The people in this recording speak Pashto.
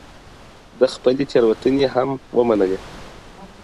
ده خپلې تېروتني هم ومنلې